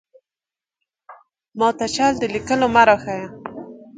ماته چل د ليکلو مۀ راښايه!